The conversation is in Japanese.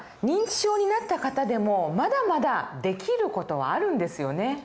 認知症になった方でもまだまだできる事はあるんですよね。